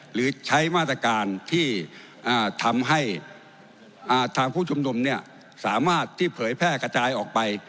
หรือใช้มาตรการที่ทำให้ทางผู้ชุมนุมสามารถที่เผยแพร่กระจายออกไป